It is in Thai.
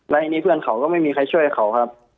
แล้วทีนี้เพื่อนเขาก็ไม่มีใครช่วยเขาครับ